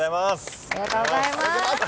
ありがとうございます。